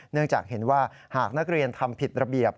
เนื่องจากเห็นว่าหากนักเรียนทำผิดระเบียบ